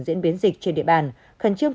diễn biến dịch trên địa bàn khẩn trương